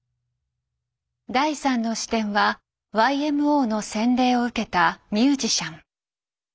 第３の視点はＹＭＯの洗礼を受けたミュージシャン。